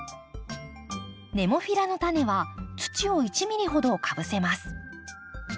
ネモフィラのタネは土を１ｍｍほどかぶせます。